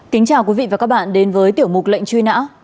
kính chào quý vị và các bạn đến với tiểu mục lệnh truy nã